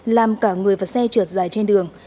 làm cả người và xe trượt dài trên đường